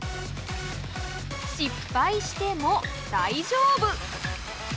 失敗しても大丈夫！